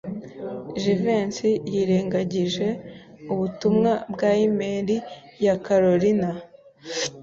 Jivency yirengagije ubutumwa bwa imeri ya Kalorina.